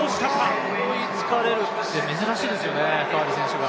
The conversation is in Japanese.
後半に追いつかれるって珍しいですよね、カーリー選手が。